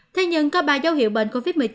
thế nhưng có ba dấu hiệu bệnh covid một mươi chín